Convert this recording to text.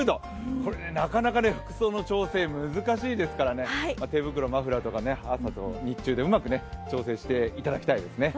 これなかなか服装の調整難しいですから手袋、マフラーとかね、朝と日中でうまく調整していただきたいですね。